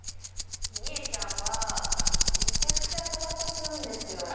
みえちゃんはめちゃくちゃたばこ吸うんですよ。